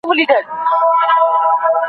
د رحم درد له پامه مه غورځوه